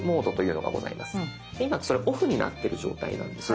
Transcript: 今それオフになってる状態なんです。